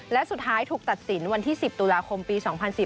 และสุดท้ายถูกตัดสินวันที่๑๐ตุลาคมปี๒๔๙